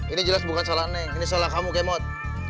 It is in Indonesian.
ini jelas bukan salah nih ini salah kamu kemot